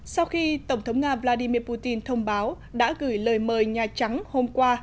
sau khi tổng thống nga vladimir putin thông báo đã gửi lời mời nhà trắng hôm qua